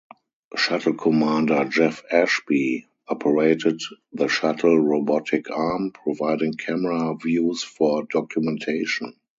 Shuttle Commander Jeff Ashby operated the shuttle robotic arm, providing camera views for documentation.